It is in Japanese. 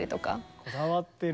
こだわってる。